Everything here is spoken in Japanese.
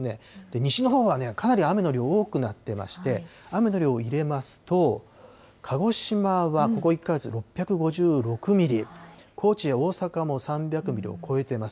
西日本はかなり雨の量、多くなっていまして、雨の量を入れますと、鹿児島はここ１か月、６５６ミリ、高知や大阪も３００ミリを超えてます。